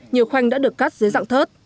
nhiều khoanh đã được cắt dưới dạng thớt